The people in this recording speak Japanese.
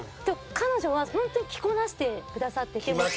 でも彼女は本当に着こなしてくださってて。